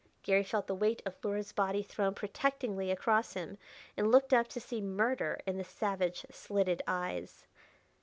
Garry felt the weight of Luhra's body thrown protectingly across him, and looked up to see murder in the savage, slitted eyes.